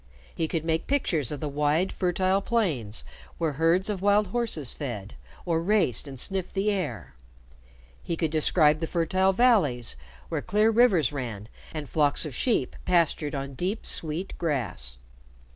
He could make pictures of the wide fertile plains where herds of wild horses fed, or raced and sniffed the air; he could describe the fertile valleys where clear rivers ran and flocks of sheep pastured on deep sweet grass.